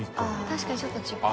確かにちょっと違う。